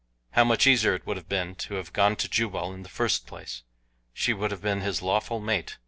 How much easier it would have been to have gone to Jubal in the first place! She would have been his lawful mate.